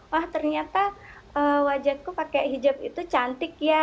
wah ternyata wajahku pakai hijab itu cantik ya